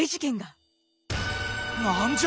何じゃ！